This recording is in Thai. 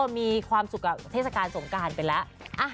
มีความสุขกับเทศกาลสงการไปแล้ว